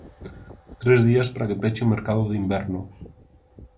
Tres días para que peche o mercado de inverno.